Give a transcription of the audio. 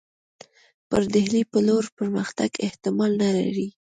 پر ډهلي پر لور پرمختګ احتمال نه لري.